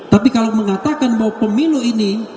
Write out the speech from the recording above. tapi kalau mengatakan bahwa pemilu ini